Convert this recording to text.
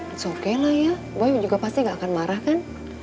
it's okelah ya boy juga pasti ga akan marah kan